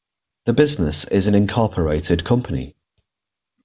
The business is an incorporated company.